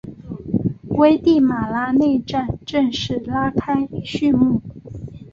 危地马拉内战正式拉开序幕。